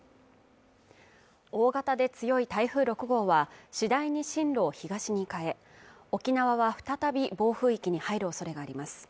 大型で強い台風６号は次第に進路を東に変え沖縄は再び暴風域に入る恐れがあります